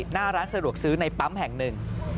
หน้าร้านสะดวกซื้อในปั๊มแห่งหนึ่ง